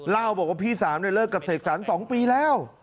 ทาวน์ว่าพี่สามได้เลิกกับเสจสรร๒ปีแล้ว